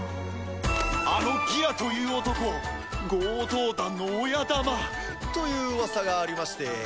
あのギラという男強盗団の親玉という噂がありまして。